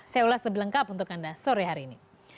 saya ulas lebih lengkap untuk anda sore hari ini